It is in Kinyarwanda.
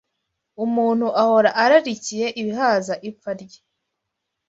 umuntu ahora ararikiye ibihaza ipfa rye